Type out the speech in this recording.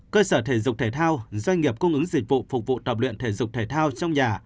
cơ sở thể dục thể thao doanh nghiệp cung ứng dịch vụ phục vụ tập luyện thể dục thể thao trong nhà